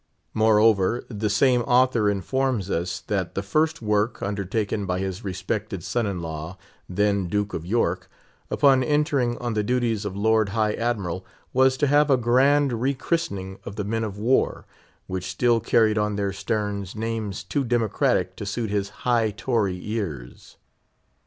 Moreover, the same author informs us that the first work undertaken by his respected son in law, then Duke of York, upon entering on the duties of Lord High Admiral, was to have a grand re christening of the men of war, which still carried on their sterns names too democratic to suit his high tory ears.